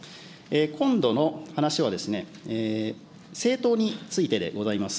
今度の話はですね、政党についてでございます。